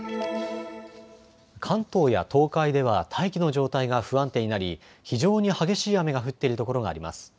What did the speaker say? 関東や東海では大気の状態が不安定になり非常に激しい雨が降っているところがあります。